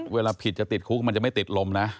เวลาผิดจะติดคุกมันจะไม่ติดลมนะ